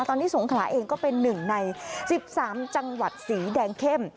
ตอนนี้สงขลาเองก็เป็นหนึ่งใน๑๓จังหวัดสีแดงเข้ม